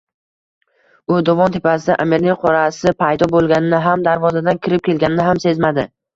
U dovon tepasida Аmirning qorasi paydo boʼlganini ham, darvozadan kirib kelganini ham sezmadi.